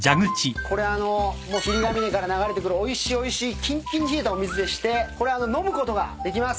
これ霧ヶ峰から流れてくるおいしいおいしいきんきんに冷えたお水でしてこれは飲むことができます。